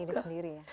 ya kita sendiri ya